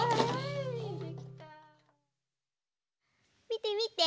みてみて！